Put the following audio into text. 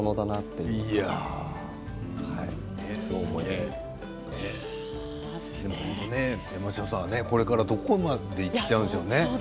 いや山下さんは、これからどこまで行っちゃうんでしょうね。